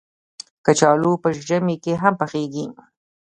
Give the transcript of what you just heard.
کچالو په ژمي کې هم پخېږي